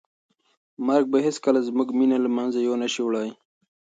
مرګ به هیڅکله زموږ مینه له منځه یو نه شي وړی.